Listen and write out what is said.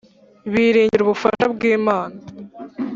biringira ubufasha bwim ana